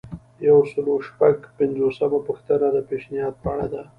یو سل او شپږ پنځوسمه پوښتنه د پیشنهاد په اړه ده.